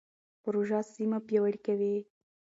پروژه سیمه پیاوړې کوي.